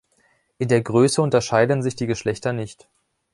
In der Größe unterscheiden sich die Geschlechter nicht.